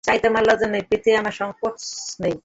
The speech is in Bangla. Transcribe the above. চাইতে আমার লজ্জা নেই, পেতে আমার সংকোচ নেই।